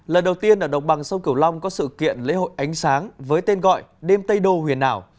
lần đầu tiên ở đồng bằng sông cửu long có sự kiện lễ hội ánh sáng với tên gọi đêm tây đô huyền ảo